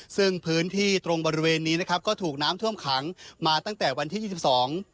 ซึ่งพื้นที่ตรงบริเวณนี้นะครับก็ถูกน้ำท่วมขังมาตั้งแต่วันที่ยี่สิบสอง